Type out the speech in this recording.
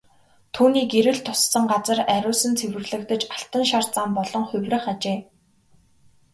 Түүний гэрэл туссан газар ариусан цэвэрлэгдэж алтан шар зам болон хувирах ажээ.